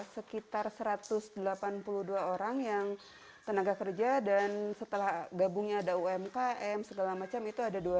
sekitar satu ratus delapan puluh dua orang yang tenaga kerja dan setelah gabungnya ada umkm segala macam itu ada dua